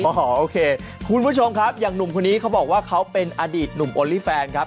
โอ้โหโอเคคุณผู้ชมครับอย่างหนุ่มคนนี้เขาบอกว่าเขาเป็นอดีตหนุ่มโอลี่แฟนครับ